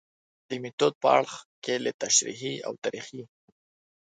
د میتود په اړخ کې له تشریحي او تاریخي